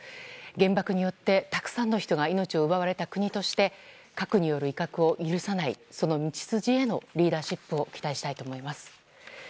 原爆によってたくさんの人が命を奪われた国として核による威嚇を許さないその道筋へのリーダーシップを期待したいと思います。